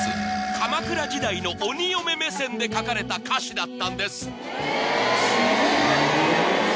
鎌倉時代の鬼嫁目線で書かれた歌詞だったんですええ